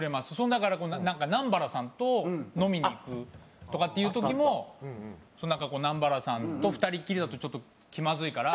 だから南原さんと飲みに行くとかっていう時もなんか南原さんと２人きりだとちょっと気まずいから。